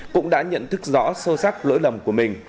cũng đã nhận thức rõ sâu sắc lỗi lầm của mình